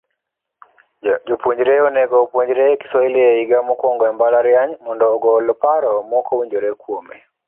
Jopuonjre onego opuonjre Kiswahili e higa mokwongo e mbalariany mondo ogol paro mokowinjore kuome.